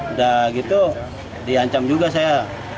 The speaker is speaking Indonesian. udah gitu diancam juga saya